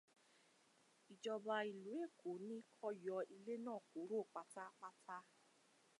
Ìjọba ìlú Èkó ní kọ́ yọ ilé náà kúrò pátápátá.